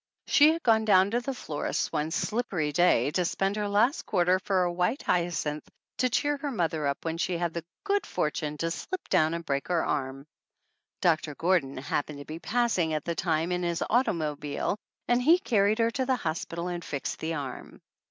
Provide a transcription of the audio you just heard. She had gone down to the florist's one slippery day to spend her last quar ter for white hyacinths to cheer her mother up when she had the good fortune to slip down and break her arm. Doctor Gordon happened to be passing at the time in his automobile and he carried her to the hospital and fixed the arm.